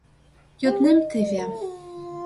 Йоднем теве...